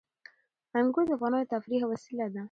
انګور د افغانانو د تفریح یوه وسیله ده.